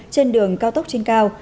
trên đường cao tốc trên cao